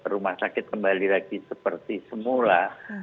rumah sakit kembali lagi seperti semula